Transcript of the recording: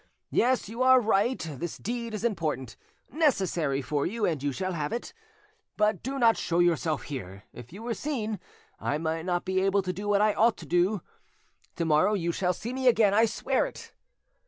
Yes, you are right; this deed is important, necessary for you, and you shall have it. But do not show yourself here; if you were seen, I might not be able to do what I ought to do. To morrow you shall see me again, I swear it.